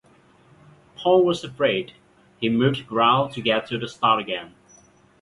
Paul was afraid; he moved round to get to the stile again.